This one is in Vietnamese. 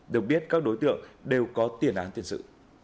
được biết các đối tượng đều có tiền án tiền sự